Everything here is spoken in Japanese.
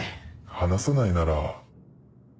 話さないなら。